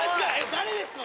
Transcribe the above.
誰ですか？